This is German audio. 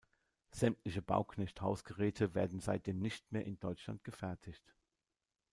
Sämtliche Bauknecht-Hausgeräte werden seitdem nicht mehr in Deutschland gefertigt.